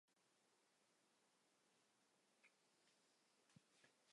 巴厘虎是已知虎的亚种中体型最小的一种。